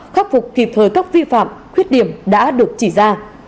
khắc phục kịp thời các vi phạm khuyết điểm đã được chỉ ra